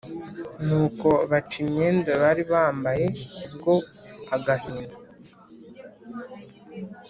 Nuko baca imyenda baribambaye kubwo agahinda